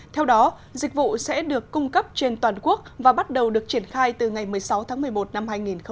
theo đó dịch vụ sẽ được cung cấp trên toàn quốc và bắt đầu được triển khai từ ngày một mươi sáu tháng một mươi một năm hai nghìn hai mươi